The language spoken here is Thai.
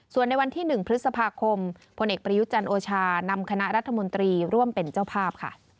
ส่วนในวันที่๑พฤษภาคมพลเอกประยุจันทร์โอชานำคณะรัฐมนตรีร่วมเป็นเจ้าภาพค่ะ